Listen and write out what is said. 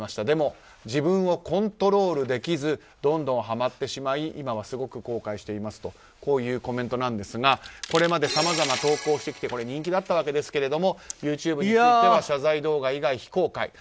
でも、自分をコントロールできずどんどんハマってしまい今はすごく後悔していますとこういうコメントですがこれまでさまざま投稿してきて人気だったわけですけどＹｏｕＴｕｂｅについては謝罪動画以外、非公開。